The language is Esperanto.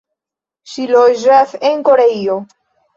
Ŝi loĝas en Koreio.